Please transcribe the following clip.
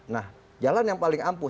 nah jalan yang paling ampuh